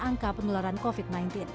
angka penularan covid sembilan belas